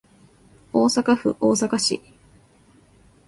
大阪府大阪市